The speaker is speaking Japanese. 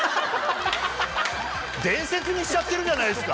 伝説にしちゃってるじゃないですか。